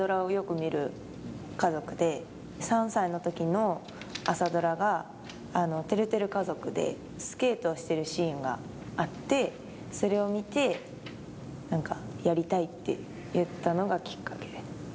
３歳の時の朝ドラが「てるてる家族」でスケートをしているシーンがあって、それを見てやりたいと言ったのがきっかけ。